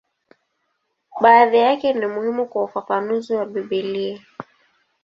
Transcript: Baadhi yake ni muhimu kwa ufafanuzi wa Biblia.